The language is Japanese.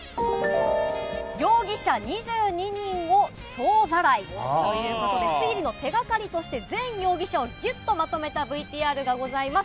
容疑者２２人を総ざらいということで、推理の手がかりとして、全容疑者をぎゅっとまとめたＶＴＲがございます。